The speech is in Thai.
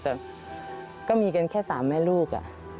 แต่ก็มีกันแค่๓แม่ลูก